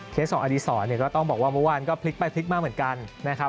สองอดีศรเนี่ยก็ต้องบอกว่าเมื่อวานก็พลิกไปพลิกมาเหมือนกันนะครับ